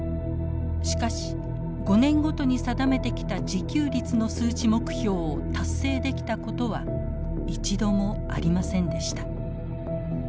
しかし５年ごとに定めてきた自給率の数値目標を達成できたことは一度もありませんでした。